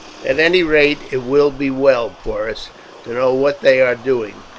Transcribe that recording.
"At any rate it will be well, Porus, to know what they are doing.